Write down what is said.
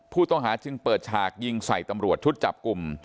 ผู้ต้องหาจึงเปิดฉากยิงใส่ตำรวจชุดจับกลุ่ม